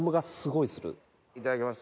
いただきます。